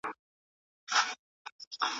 خزان به تېر وي پسرلی به وي ګلان به نه وي